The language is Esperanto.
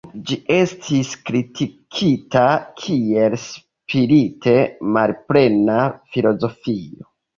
Ĝi estis kritikita kiel spirite malplena filozofio.